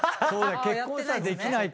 結婚したらできないか。